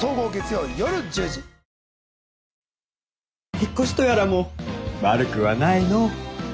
引っ越しとやらも悪くはないのぉ。